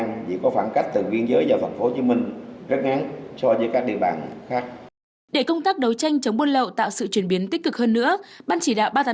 thủ tướng chính phủ về việc đẩy mạnh công tác đấu tranh chống buôn lậu thuốc lá